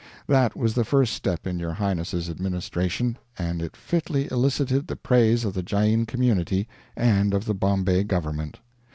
That was the first step in your Highness's administration, and it fitly elicited the praise of the Jain community, and of the Bombay Government.